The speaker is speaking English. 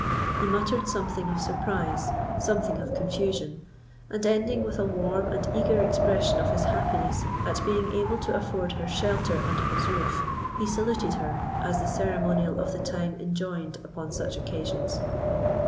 He muttered something of surprise, something of confusion, and, ending with a warm and eager expression of his happiness at being able to afford her shelter under his roof, he saluted her, as the ceremonial of the time enjoined upon such occasions.